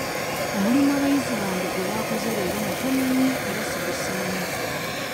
Omulimu abayizi bange gwe bakoze leero mutono nnyo era sigusiimye.